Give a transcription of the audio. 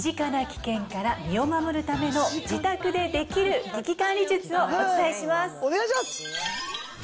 きょうは、身近な危険から身を守るための自宅でできる危機管理術をお伝えします。